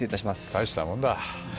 大したもんだ。